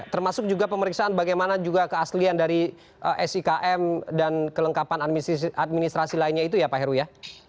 termasuk juga pemeriksaan bagaimana juga keaslian dari sikm dan kelengkapan administrasi lainnya itu ya pak heru ya